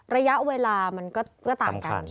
ระยะเวลามันก็ต่างกันใช่ไหมครับ